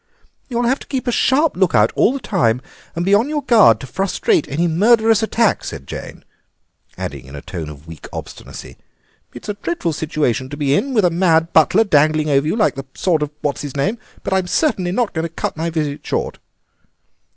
"You'll have to keep a sharp look out all the time and be on your guard to frustrate any murderous attack," said Jane, adding in a tone of weak obstinacy: "It's a dreadful situation to be in, with a mad butler dangling over you like the sword of What's his name, but I'm certainly not going to cut my visit short."